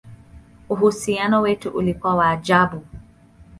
Uhusiano wetu ulikuwa wa ajabu!